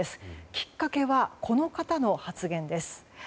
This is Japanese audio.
きっかけは、この方の発言です。